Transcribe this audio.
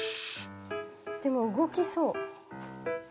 でも動きそう。